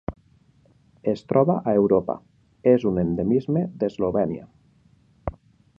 Es troba a Europa: és un endemisme d'Eslovènia.